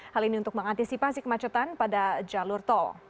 hal ini untuk mengantisipasi kemacetan pada jalur tol